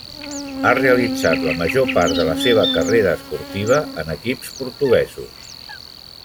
Ha realitzat la major part de la seva carrera esportiva en equips portuguesos.